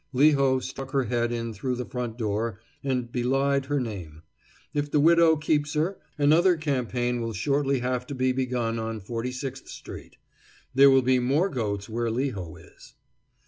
Leho stuck her head in through the front door and belied her name. If the widow keeps her, another campaign will shortly have to be begun in Forty sixth street. There will be more goats where Leho is.